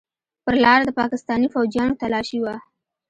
پر لاره د پاکستاني فوجيانو تلاشي وه.